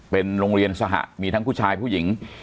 เป็นโรงเรียนสหะมีทั้งผู้ชายผู้หญิง